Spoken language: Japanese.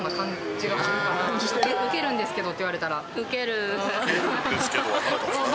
ウケるんですけどって言われたら。